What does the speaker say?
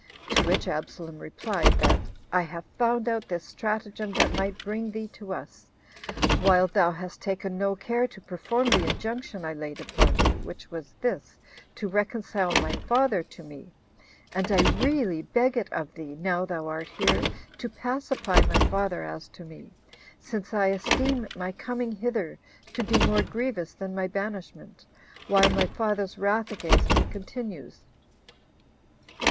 To which Absalom replied, that "I have found out this stratagem that might bring thee to us, while thou hast taken no care to perform the injunction I laid upon thee, which was this, to reconcile my father to me; and I really beg it of thee, now thou art here, to pacify my father as to me, since I esteem my coming hither to be more grievous than my banishment, while my father's wrath against me continues."